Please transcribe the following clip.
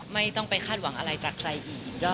ไม่ต้องไปคาดหวังอะไรจากใครอีก